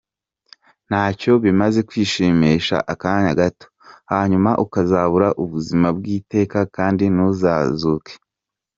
Ntacyo bimaze kwishimisha akanya gato, hanyuma ukazabura ubuzima bw’iteka kandi ntuzazuke.